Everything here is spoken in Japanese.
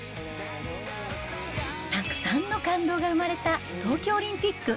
たくさんの感動が生まれた東京オリンピック。